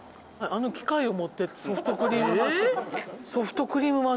あの機械を持っていくソフトクリームマシン。